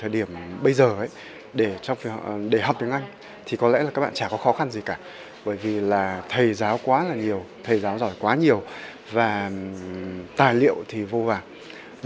để học tiếng anh thì có lẽ là các bạn chả có khó khăn gì cả bởi vì là thầy giáo quá là nhiều thầy giáo giỏi quá nhiều và tài liệu thì vô vàng